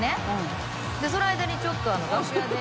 その間にちょっと楽屋で。